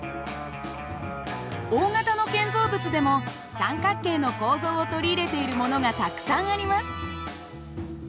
大型の建造物でも三角形の構造を取り入れているものがたくさんあります。